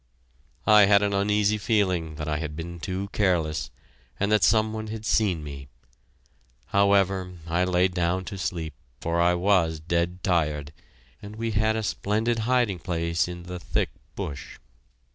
I had an uneasy feeling that I had been too careless, and that some one had seen me. However, I lay down to sleep, for I was dead tired, and we had a splendid hiding place in the thick bush.